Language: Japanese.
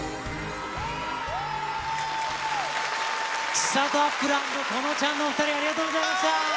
ちさとあっぷる＆このちゃんのお２人、ありがとうございました。